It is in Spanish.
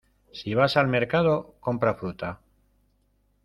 Si vas al mercado, compra fruta.